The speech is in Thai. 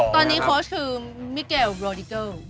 ตอนนี้โค้ชคือมิเกลโรดิเกิล